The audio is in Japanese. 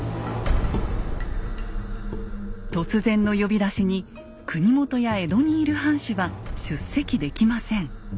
突然の呼び出しに国元や江戸にいる藩主は出席できません。